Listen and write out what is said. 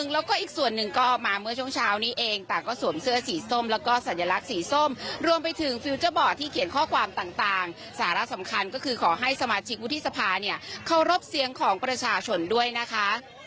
และสำคัญก็คือขอให้สมาชิกวุฒิสภาเนี้ยเข้ารบเสียงของประชาชนด้วยนะคะ